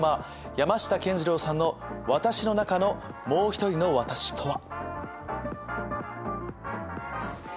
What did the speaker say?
山下健二郎さんの「私の中の、もうひとりのワタシ。」とは？